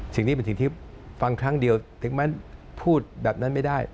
สิ่งนี้เป็นสิ่งที่ฟังครั้งเดียวถึงแม้พูดแบบนั้นไม่ได้